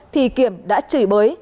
thì kiểm đã chửi bới